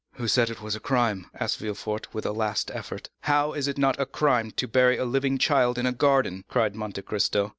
"Who said it was a crime?" asked Villefort, with a last effort. "How? is it not a crime to bury a living child in a garden?" cried Monte Cristo.